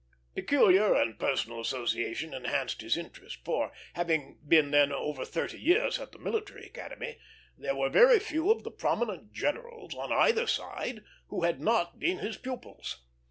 Peculiar and personal association enhanced his interest; for, having been then over thirty years at the Military Academy, there were very few of the prominent generals on either side who had not been his pupils.